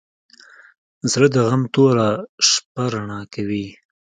زړه د غم توره شپه رڼا کوي.